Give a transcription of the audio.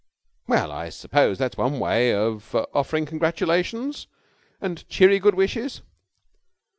"Well, I suppose that's one way of offering congratulations and cheery good wishes."